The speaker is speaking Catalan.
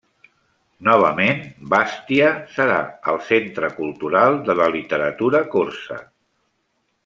Novament Bastia serà el centre cultural de la literatura corsa.